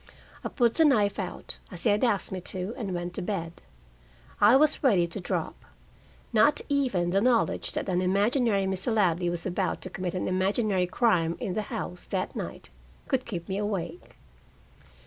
I put the knife out, as he had asked me to, and went to bed. I was ready to drop. Not even the knowledge that an imaginary Mr. Ladley was about to commit an imaginary crime in the house that night could keep me awake.